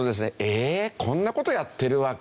「えーっこんな事やってるわけ？